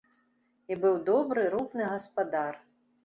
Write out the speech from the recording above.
І быў добры, рупны гаспадар.